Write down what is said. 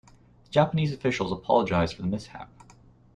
The Japanese officials apologized for the mishap.